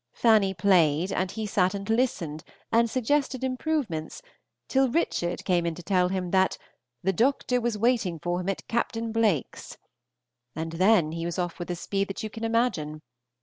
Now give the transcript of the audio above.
Fanny played, and he sat and listened and suggested improvements, till Richard came in to tell him that "the doctor was waiting for him at Captn. Blake's;" and then he was off with a speed that you can imagine.